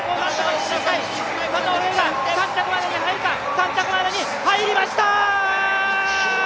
３着までに入りました！